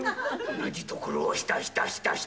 同じところをひたひたひたひたと。